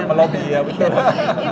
kemampuan melobi ya betul